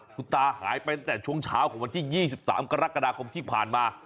คุณตาหายไปตั้งแต่ช่วงเช้าของวันที่๒๓กรกฎาคมที่ผ่านมา